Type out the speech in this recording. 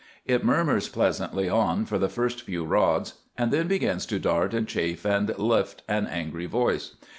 It murmurs pleasantly on for the first few rods, and then begins to dart and chafe, and lift an angry voice.